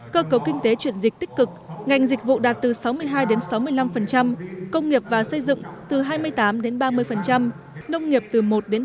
cơ cấu kinh tế chuyển dịch tích cực ngành dịch vụ đạt từ sáu mươi hai sáu mươi năm công nghiệp và xây dựng từ hai mươi tám đến ba mươi nông nghiệp từ một hai mươi